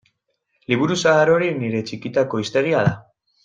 Liburu zahar hori nire txikitako hiztegia da.